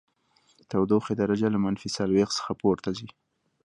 د تودوخې درجه له منفي څلوېښت څخه پورته ځي